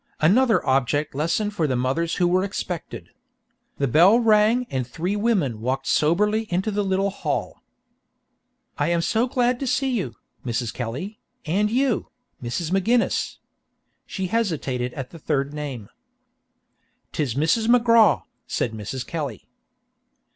Another object lesson for the mothers who were expected. The bell rang and three women walked soberly into the little hall. "I am so glad to see you, Mrs. Kelly, and you, Mrs. McGinniss." She hesitated at the third name. "'Tis Mrs. McGraw," said Mrs. Kelly.